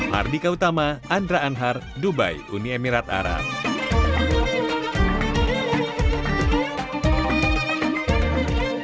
mardika utama andra anhar dubai uni emirat arab